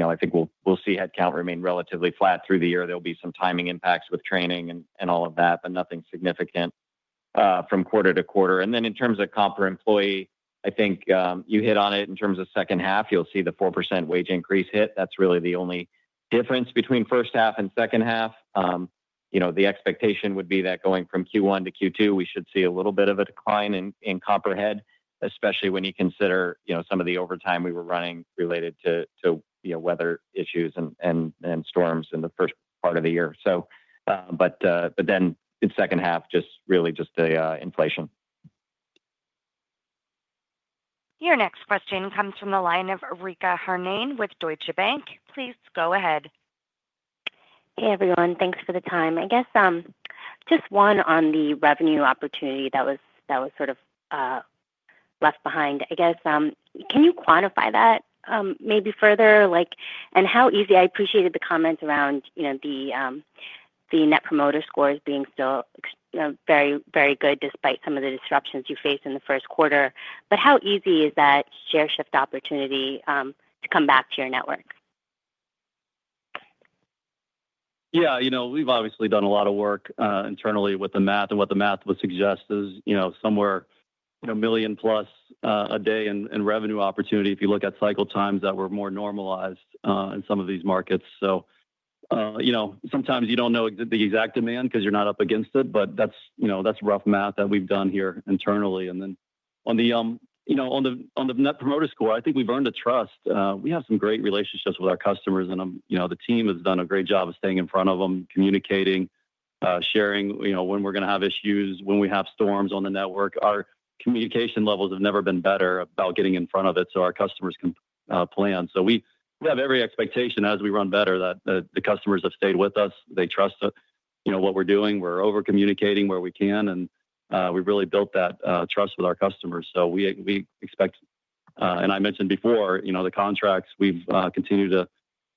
Speaker 6: know, I think we'll see headcount remain relatively flat through the year. There'll be some timing impacts with training and all of that, but nothing significant from quarter to quarter. In terms of comp for employee, I think you hit on it in terms of second half, you'll see the 4% wage increase hit. That's really the only difference between first half and second half. You know, the expectation would be that going from Q1 to Q2, we should see a little bit of a decline in comp per head, especially when you consider, you know, some of the overtime we were running related to weather issues and storms in the first part of the year. In second half, just really just the inflation.
Speaker 1: Your next question comes from the line of Richa Harnain with Deutsche Bank. Please go ahead.
Speaker 18: Hey, everyone. Thanks for the time. I guess just one on the revenue opportunity that was sort of left behind. I guess, can you quantify that maybe further? Like, and how easy, I appreciated the comments around, you know, the Net Promoter Scores being still very, very good despite some of the disruptions you faced in the first quarter. But how easy is that share shift opportunity to come back to your network?
Speaker 5: Yeah, you know, we've obviously done a lot of work internally with the math, and what the math would suggest is, you know, somewhere, you know, million plus a day in revenue opportunity if you look at cycle times that were more normalized in some of these markets. You know, sometimes you don't know the exact demand because you're not up against it, but that's, you know, that's rough math that we've done here internally. On the net promoter score, I think we've earned a trust. We have some great relationships with our customers, and, you know, the team has done a great job of staying in front of them, communicating, sharing, you know, when we're going to have issues, when we have storms on the network. Our communication levels have never been better about getting in front of it so our customers can plan. We have every expectation as we run better that the customers have stayed with us. They trust, you know, what we're doing. We're over-communicating where we can, and we've really built that trust with our customers. We expect, and I mentioned before, you know, the contracts, we've continued to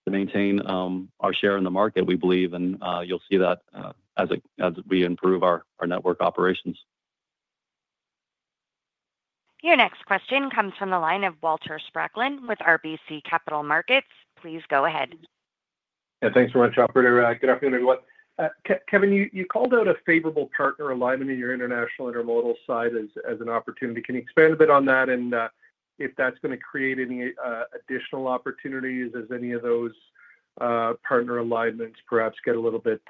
Speaker 5: maintain our share in the market, we believe, and you'll see that as we improve our network operations.
Speaker 1: Your next question comes from the line of Walter Spracklin with RBC Capital Markets. Please go ahead.
Speaker 19: Yeah, thanks very much, Operator. Good afternoon, everyone. Kevin, you called out a favorable partner alignment in your international intermodal side as an opportunity. Can you expand a bit on that and if that's going to create any additional opportunities as any of those partner alignments perhaps get a little bit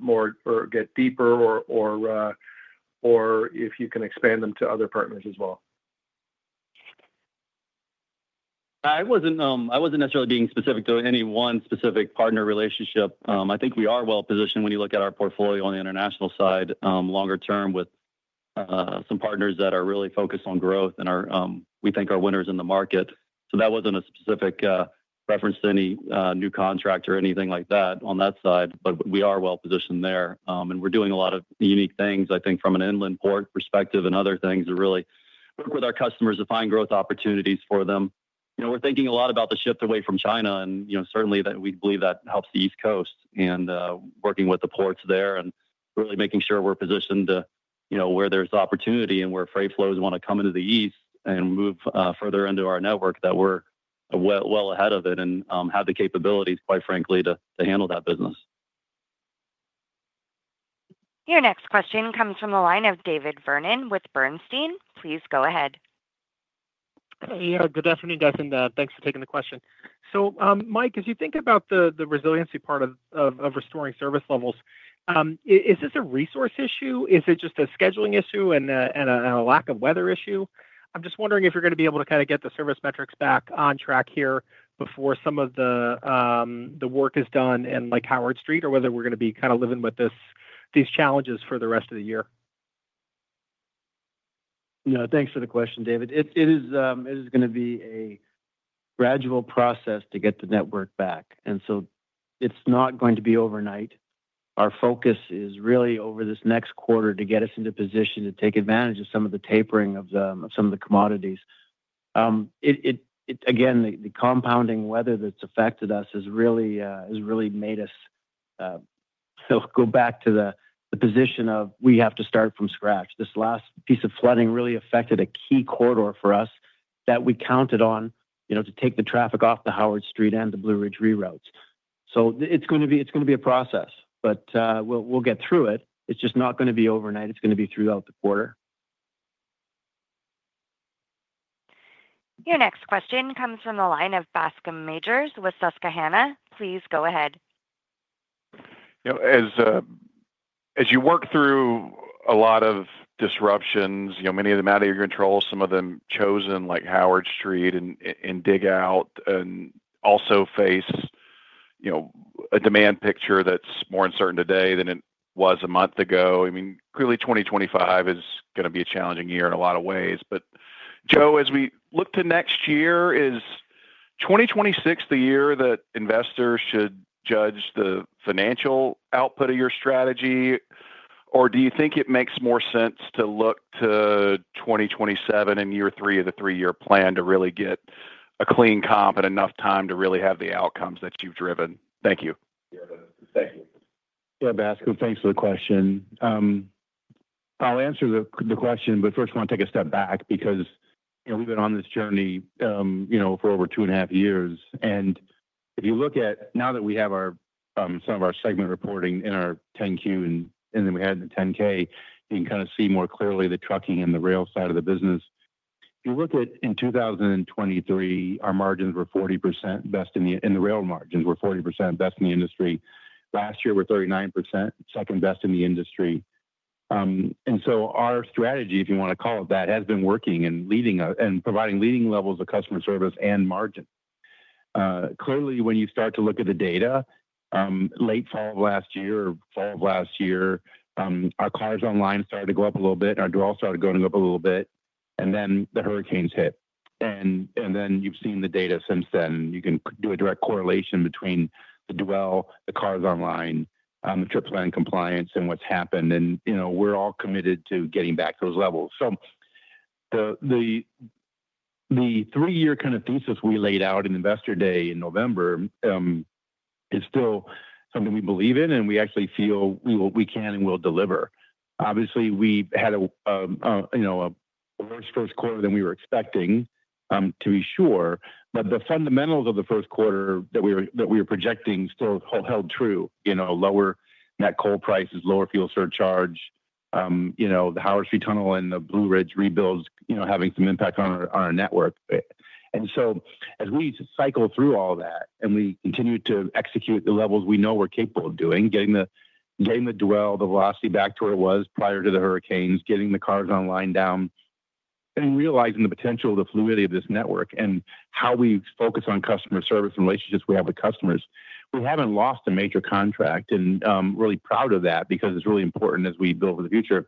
Speaker 19: more or get deeper or if you can expand them to other partners as well?
Speaker 5: I wasn't necessarily being specific to any one specific partner relationship. I think we are well positioned when you look at our portfolio on the international side longer term with some partners that are really focused on growth and we think are winners in the market. That wasn't a specific reference to any new contract or anything like that on that side, but we are well positioned there. We're doing a lot of unique things, I think, from an inland port perspective and other things to really work with our customers to find growth opportunities for them. You know, we're thinking a lot about the shift away from China and, you know, certainly that we believe that helps the East Coast and working with the ports there and really making sure we're positioned to, you know, where there's opportunity and where freight flows want to come into the East and move further into our network that we're well ahead of it and have the capabilities, quite frankly, to handle that business.
Speaker 1: Your next question comes from the line of David Vernon with Bernstein. Please go ahead.
Speaker 20: Yeah, good afternoon,. Thanks for taking the question. Mike, as you think about the resiliency part of restoring service levels, is this a resource issue? Is it just a scheduling issue and a lack of weather issue? I'm just wondering if you're going to be able to kind of get the service metrics back on track here before some of the work is done in, like, Howard Street or whether we're going to be kind of living with these challenges for the rest of the year.
Speaker 4: No, thanks for the question, David. It is going to be a gradual process to get the network back. It's not going to be overnight. Our focus is really over this next quarter to get us into position to take advantage of some of the tapering of some of the commodities. Again, the compounding weather that's affected us has really made us go back to the position of we have to start from scratch. This last piece of flooding really affected a key corridor for us that we counted on, you know, to take the traffic off the Howard Street and the Blue Ridge reroutes. It's going to be a process, but we'll get through it. It's just not going to be overnight. It's going to be throughout the quarter.
Speaker 1: Your next question comes from the line of Bascome Majors with Susquehanna. Please go ahead.
Speaker 21: As you work through a lot of disruptions, you know, many of them out of your control, some of them chosen, like Howard Street and Dig Out, and also face, you know, a demand picture that's more uncertain today than it was a month ago. I mean, clearly 2025 is going to be a challenging year in a lot of ways. But Joe, as we look to next year, is 2026 the year that investors should judge the financial output of your strategy, or do you think it makes more sense to look to 2027 and year three of the three-year plan to really get a clean comp and enough time to really have the outcomes that you've driven? Thank you.
Speaker 3: Yeah, Bascome, thanks for the question. I'll answer the question, but first I want to take a step back because, you know, we've been on this journey, you know, for over two and a half years. If you look at now that we have some of our segment reporting in our 10-Q and then we had the 10-K, you can kind of see more clearly the trucking and the rail side of the business. If you look at in 2023, our margins were 40% best in the rail margins, were 40% best in the industry. Last year, we're 39%, second best in the industry. Our strategy, if you want to call it that, has been working and providing leading levels of customer service and margin. Clearly, when you start to look at the data, late fall of last year or fall of last year, our cars online started to go up a little bit, our dwell started going up a little bit, and then the hurricanes hit. You have seen the data since then. You can do a direct correlation between the dwell, the cars online, the trip plan compliance, and what has happened. You know, we are all committed to getting back to those levels. The three-year kind of thesis we laid out in Investor Day in November is still something we believe in and we actually feel we can and will deliver. Obviously, we had a worse first quarter than we were expecting to be sure, but the fundamentals of the first quarter that we were projecting still held true, you know, lower net coal prices, lower fuel surcharge, you know, the Howard Street Tunnel and the Blue Ridge rebuilds, you know, having some impact on our network. As we cycle through all that and we continue to execute the levels we know we're capable of doing, getting the dwell, the velocity back to where it was prior to the hurricanes, getting the cars online down, and realizing the potential, the fluidity of this network and how we focus on customer service and relationships we have with customers, we haven't lost a major contract and really proud of that because it's really important as we build for the future.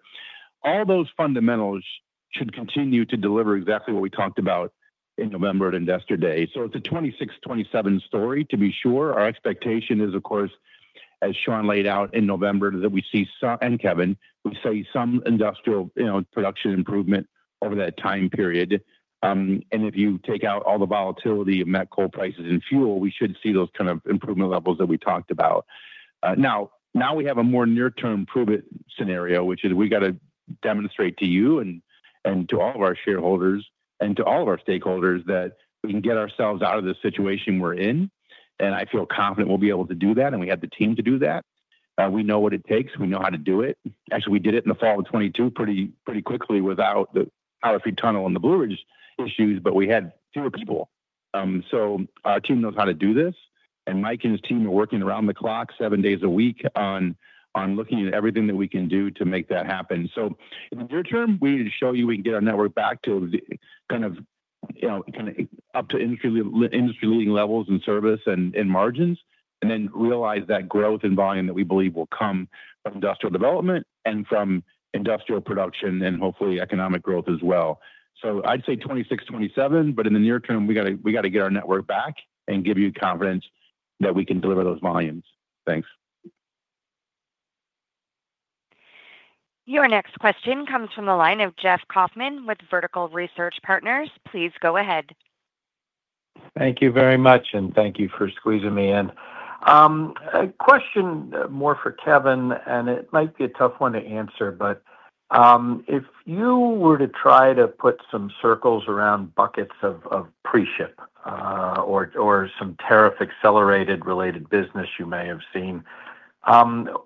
Speaker 3: All those fundamentals should continue to deliver exactly what we talked about in November at Investor Day. It is a 26-27 story to be sure. Our expectation is, of course, as Sean laid out in November, that we see some, and Kevin, we see some industrial, you know, production improvement over that time period. If you take out all the volatility of net coal prices and fuel, we should see those kind of improvement levels that we talked about. Now, we have a more near-term proven scenario, which is we got to demonstrate to you and to all of our shareholders and to all of our stakeholders that we can get ourselves out of the situation we are in. I feel confident we will be able to do that and we have the team to do that. We know what it takes. We know how to do it. Actually, we did it in the fall of 2022 pretty quickly without the Howard Street Tunnel and the Blue Ridge issues, but we had fewer people. Our team knows how to do this. Mike and his team are working around the clock seven days a week on looking at everything that we can do to make that happen. In the near term, we need to show you we can get our network back to kind of, you know, kind of up to industry-leading levels in service and margins and then realize that growth and volume that we believe will come from industrial development and from industrial production and hopefully economic growth as well. I'd say 2026-2027, but in the near term, we got to get our network back and give you confidence that we can deliver those volumes. Thanks.
Speaker 1: Your next question comes from the line of Jeff Kaufman with Vertical Research Partners. Please go ahead.
Speaker 22: Thank you very much and thank you for squeezing me in. A question more for Kevin and it might be a tough one to answer, but if you were to try to put some circles around buckets of pre-ship or some tariff accelerated related business you may have seen,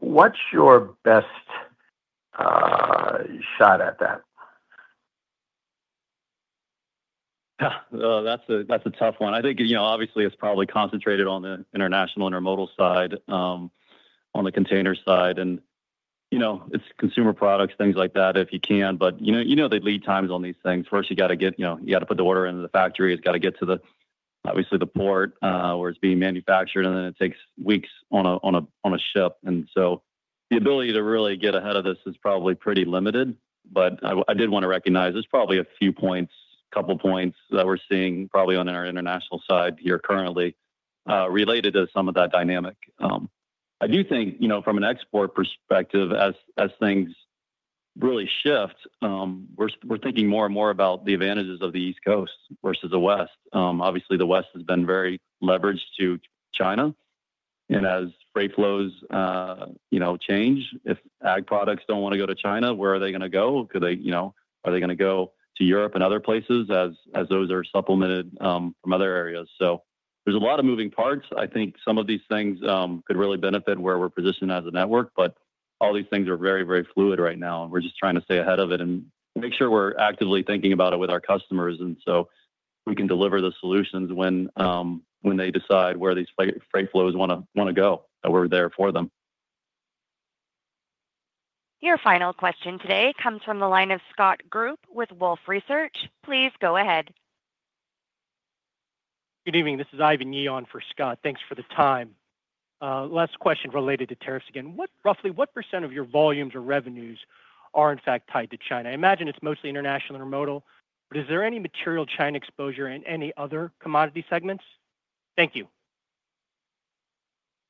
Speaker 22: what's your best shot at that?
Speaker 5: That's a tough one. I think, you know, obviously it's probably concentrated on the international intermodal side, on the container side, and, you know, it's consumer products, things like that if you can. You know, the lead times on these things. First, you got to get, you know, you got to put the order into the factory. It's got to get to the, obviously, the port where it's being manufactured, and then it takes weeks on a ship. The ability to really get ahead of this is probably pretty limited, but I did want to recognize there's probably a few points, a couple of points that we're seeing probably on our international side here currently related to some of that dynamic. I do think, you know, from an export perspective, as things really shift, we're thinking more and more about the advantages of the East Coast versus the West. Obviously, the West has been very leveraged to China. As freight flows, you know, change, if ag products don't want to go to China, where are they going to go? Could they, you know, are they going to go to Europe and other places as those are supplemented from other areas? There are a lot of moving parts. I think some of these things could really benefit where we're positioned as a network, but all these things are very, very fluid right now. We're just trying to stay ahead of it and make sure we're actively thinking about it with our customers and so we can deliver the solutions when they decide where these freight flows want to go, that we're there for them.
Speaker 1: Your final question today comes from the line of Scott Group with Wolfe Research. Please go ahead.
Speaker 23: Good evening. This is Ivan Yeon for Scott. Thanks for the time. Last question related to tariffs again. What, roughly what percent of your volumes or revenues are in fact tied to China? I imagine it's mostly international intermodal, but is there any material China exposure in any other commodity segments? Thank you.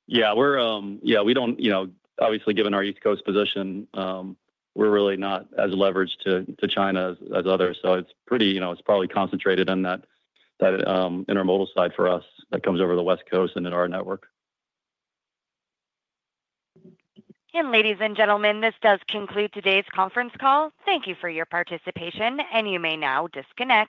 Speaker 6: Yeah, we don't, you know, obviously given our East Coast position, we're really not as leveraged to China as others. It's probably concentrated in that intermodal side for us that comes over the West Coast and in our network.
Speaker 1: Ladies and gentlemen, this does conclude today's conference call. Thank you for your participation and you may now disconnect.